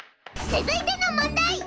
続いての問題！